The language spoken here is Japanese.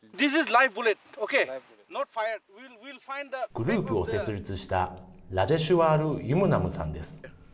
グループを設立した、ラジェシュワール・ユムナムさんです。